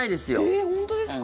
えっ、本当ですか？